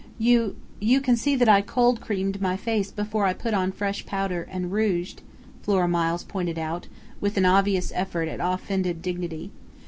"You you can see that I cold creamed my face before I put on fresh powder and and rouged," Flora Miles pointed out, with an obvious effort at offended dignity.